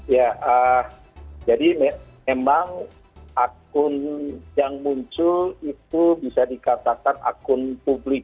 ya jadi memang akun yang muncul itu bisa dikatakan akun publik